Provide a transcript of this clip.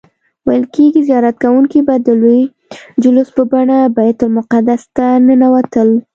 ویل کیږي زیارت کوونکي به د لوی جلوس په بڼه بیت المقدس ته ننوتل.